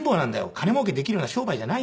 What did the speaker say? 「金もうけできるような商売じゃないんだよ」